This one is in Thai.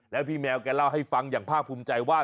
แล้วพี่แมวแกเล่าให้ฟังอย่างภาคภูมิใจว่า